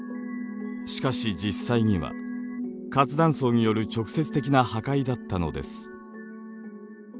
しかし実際には活断層による直接的な破壊だったのです。